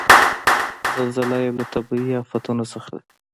زلزله یو له طبعیي آفتونو څخه ده.